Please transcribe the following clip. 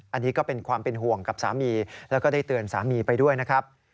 อันนี้ก็เป็นความเป็นห่วงกับสามีแล้วก็ได้เตือนสามีไปด้วยนะครับ